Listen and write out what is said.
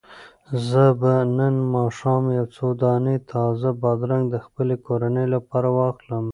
زه به نن ماښام یو څو دانې تازه بادرنګ د خپلې کورنۍ لپاره واخلم.